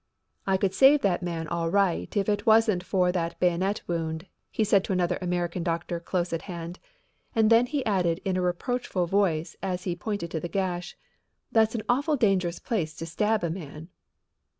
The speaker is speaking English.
"I could save that man all right if it wasn't for that bayonet wound," he said to another American doctor close at hand, and then he added in a reproachful voice as he pointed to the gash: "That's an awful dangerous place to stab a man."